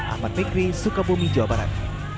ahmad fikri sukabumi jawa barat